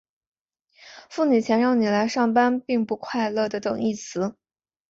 付你钱让你来上班并不快乐的等义词。